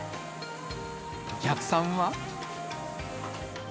お客さんは。